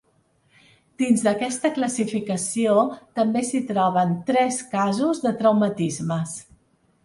Dins d’aquesta classificació, també s’hi troben tres casos de traumatismes.